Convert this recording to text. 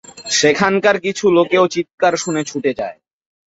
সেখানকার কিছু লোকও চিৎকার শুনে ছুটে যায়।